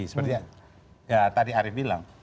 seperti yang tadi ari bilang